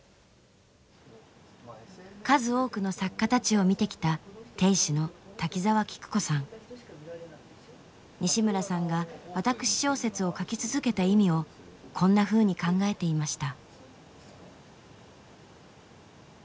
数多くの作家たちを見てきた西村さんが私小説を書き続けた意味をこんなふうに考えていました。